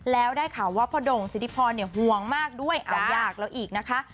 แล้วได้ข่าวว่าพ่อโด่งสิทธิพรห่วงมากด้วยเอายากแล้วอีกนะคะ